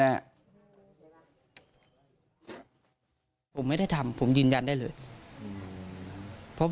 คือขึ้นไปพร้อมกันอุ้มลูกไว้ด้วย